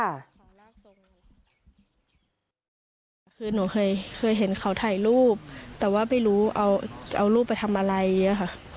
คือหนูเคยเห็นเขาถ่ายรูปแต่ว่าไม่รู้เอารูปไปทำอะไร